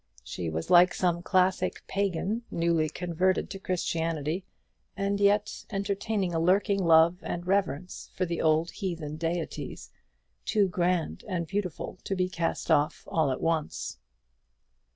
She was like some classic pagan newly converted to Christianity, and yet entertaining a lurking love and reverence for the old heathen deities, too grand and beautiful to be cast off all at once.